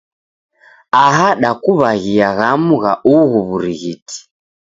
Aha dakuw'aghia ghamu gha ughu w'urighiti.